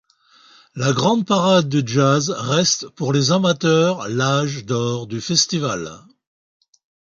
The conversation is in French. La Grande Parade du Jazz reste pour les amateurs l'âge d'or du festival.